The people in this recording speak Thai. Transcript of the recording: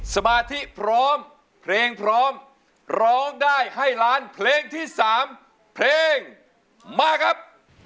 สมาธิพร้อมเพลงพร้อมร้องได้ให้ล้านเพลงที่๓เพลงมาครับ